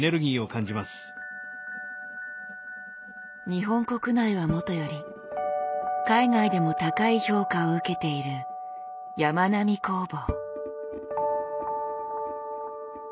日本国内はもとより海外でも高い評価を受けているやまなみ工房。